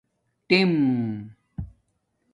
ٹَم